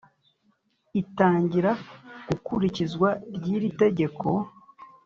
itangira gukurikizwa ry iri tegeko